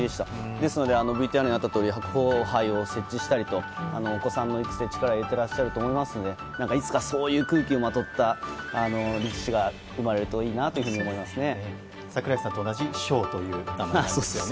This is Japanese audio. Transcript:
ですのでＶＴＲにあったとおり白鵬杯を設置したりとお子さんの育成に力を入れてやっていらっしゃると思いますのでいつかそういう空気をまとった力士が櫻井さんと同じ翔という名前ですね。